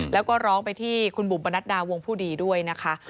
แล้วก็ร้องไปที่คุณบุ๋มปนัดดาวงผู้ดีด้วยนะคะ